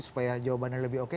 supaya jawabannya lebih oke